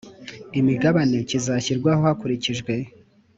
imigabane kizashyirwaho hakurikijwe